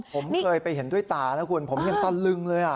ผมเคยไปเห็นด้วยตานะคุณผมยังตะลึงเลย